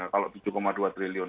kalau tujuh dua triliun